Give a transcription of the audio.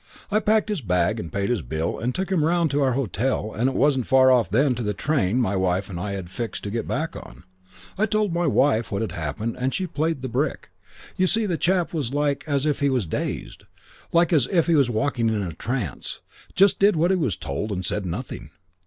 I packed his bag and paid his bill and took him round to our hotel and it wasn't far off then to the train my wife and I had fixed to get back on. I told my wife what had happened and she played the brick. You see, the chap was like as if he was dazed. Like as if he was walking in a trance. Just did what he was told and said nothing.